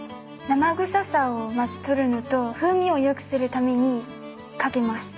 生臭さをまず取るのと風味を良くするために掛けます。